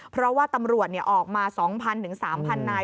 เพราะว่าตำรวจออกมา๒๐๐๓๐๐นาย